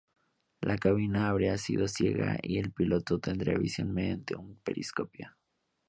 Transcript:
La cabina habría sido ciega y el piloto tendría visión mediante un periscopio.